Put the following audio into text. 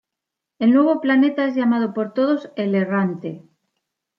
El nuevo planeta es llamado por todos "El Errante".